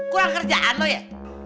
kurang kerjaan lo ya